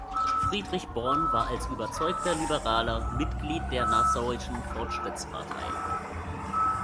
Friedrich Born war als überzeugter Liberaler Mitglied der Nassauischen Fortschrittspartei.